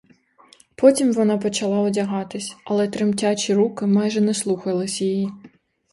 Потім вона почала одягатися, але тремтячі руки майже не слухались її.